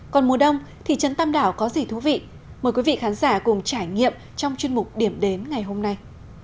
còn mùa đông thị trấn tam đảo có gì thú vị mời quý vị khán giả cùng trải nghiệm trong chuyên mục điểm đến ngày hôm nay